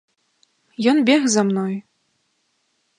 Ён бег за мной.